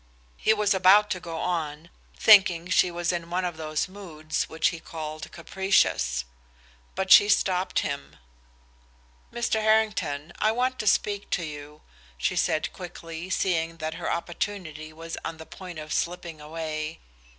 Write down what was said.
He was about to go on, thinking she was in one of those moods which he called capricious. But she stopped him. "Mr. Harrington, I want to speak to you," she said quickly, seeing that her opportunity was on the point of slipping away.